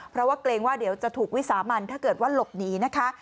เพราะว่าเกรงว่าเดี๋ยวจะถูกวิสามันถ้าเกิดว่าหลบหนีนะคะ